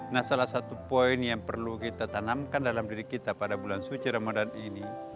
nah salah satu poin yang perlu kita tanamkan dalam diri kita pada bulan suci ramadan ini